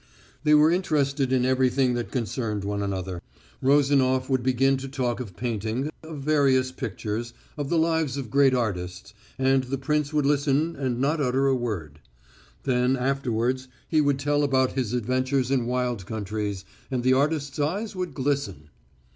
They were interested in everything that concerned one another. Rozanof would begin to talk of painting, of various pictures, of the lives of great artists and the prince would listen and not utter a word. Then afterwards he would tell about his adventures in wild countries, and the artist's eyes would glisten.